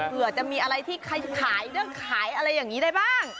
เปรือจะมีอะไรที่คล้ายแล้วคล้ายอะไรอย่างนี้ได้บ้าง